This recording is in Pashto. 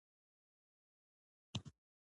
احمد تل نصیحت کوي.